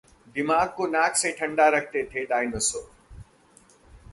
दिमाग को नाक से ठंडा रखते थे डायनासोर